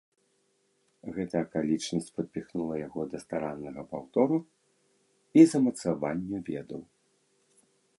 Гэта акалічнасць падпіхнула яго да стараннага паўтору і замацаванню ведаў.